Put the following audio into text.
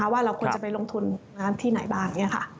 ว่าเราควรจะไปลงทุนที่ไหนบ้าง